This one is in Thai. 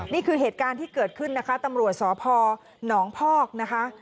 นี่คือเหตุการณ์ที่เกิดขึ้นนะคะตำรวจสพหนองพอกนะคะ